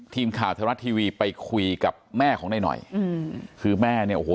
ทีมข่าวไทยรัฐทีวีไปคุยกับแม่ของนายหน่อยอืมคือแม่เนี่ยโอ้โห